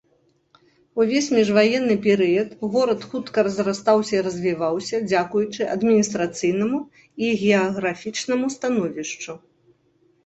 Увесь міжваенны перыяд горад хутка разрастаўся і развіваўся дзякуючы адміністрацыйнаму і геаграфічнаму становішчу.